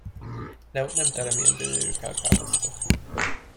De ott nem terem ilyen gyönyörű kelkáposzta!